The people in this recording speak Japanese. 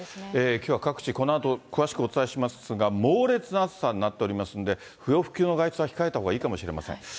きょうは各地、このあと詳しくお伝えしますが、猛烈な暑さになっておりますんで、不要不急の外出は控えたほうがいいかもしれません。